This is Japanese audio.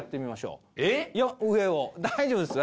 大丈夫っすよ。